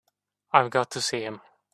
I've got to see him.